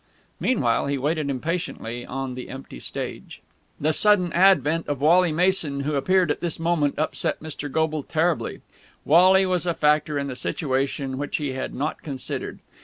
Meanwhile, he waited impatiently on the empty stage. The sudden advent of Wally Mason, who appeared at this moment, upset Mr. Goble terribly. Wally was a factor in the situation which he had not considered.